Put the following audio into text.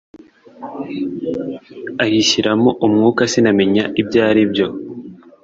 ayishyiramo umwuka sinamenya ibyo aribyo